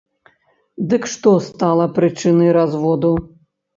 Дык што стала прычынай разводу?